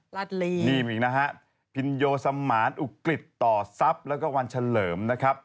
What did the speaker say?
ลีนี่มีอีกนะฮะพินโยสมานอุกฤษต่อทรัพย์แล้วก็วันเฉลิมนะครับ